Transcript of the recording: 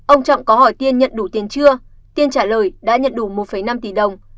ông trọng có hỏi tiên nhận đủ tiền chưa tiên trả lời đã nhận đủ một năm tỷ đồng